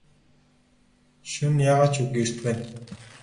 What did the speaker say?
Шөнө яагаа ч үгүй эрт байна.